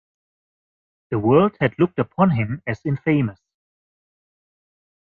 The world had looked upon him as infamous.